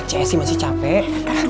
cek esy masih capek